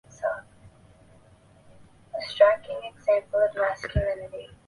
科莱迪马奇内是意大利阿布鲁佐大区基耶蒂省的一个镇。